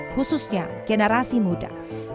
khususnya generasi muda